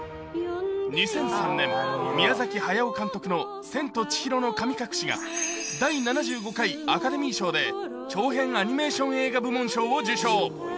２００３年、宮崎駿監督の千と千尋の神隠しが、第７５回アカデミー賞で、長編アニメーション映画部門賞を受賞。